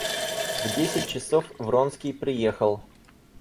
В десять часов Вронский приехал.